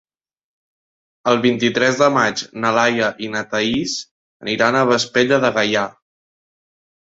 El vint-i-tres de maig na Laia i na Thaís aniran a Vespella de Gaià.